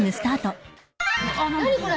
何これ。